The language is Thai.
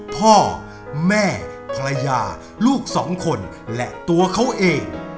พ่อแม่ภรรยาลูกสองคนและตัวเขาเอง